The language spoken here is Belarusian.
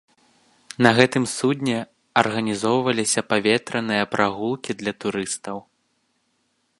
На гэтым судне арганізоўваліся паветраныя прагулкі для турыстаў.